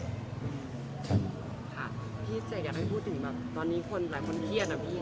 ค่ะพี่เสกอยากให้พูดถึงแบบตอนนี้คนหลายคนเครียดอะพี่